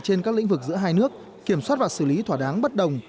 trên các lĩnh vực giữa hai nước kiểm soát và xử lý thỏa đáng bất đồng